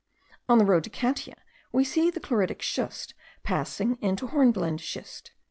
On the road to Catia we see the chloritic schist passing into hornblende schist.